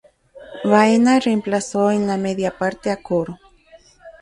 Baena reemplazó en la media parte a Coro.